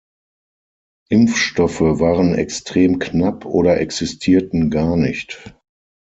Impfstoffe waren extrem knapp oder existierten gar nicht.